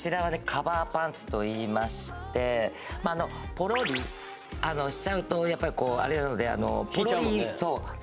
カバーパンツといいましてポロリしちゃうとやっぱりあれなのでひいちゃうもんね